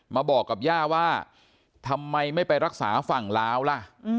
มาบอกกับย่าว่าทำไมไม่ไปรักษาฝั่งลาวล่ะ